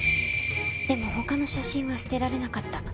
でも他の写真は捨てられなかった。